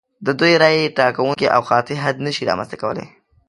د دوی رایې ټاکونکی او قاطع حد نشي رامنځته کولای.